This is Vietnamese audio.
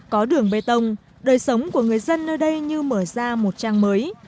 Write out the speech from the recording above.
có đường bê tông đời sống của người dân nơi đây như mở ra một trang mới